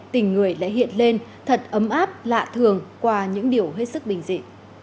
tình người lại hiện lên thật ấm áp lạ thường qua những điều hết sức bình dị